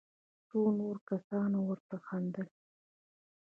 څو نورو کسانو ورته خندل.